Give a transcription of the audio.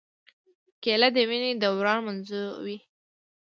کېله د وینې دوران منظموي.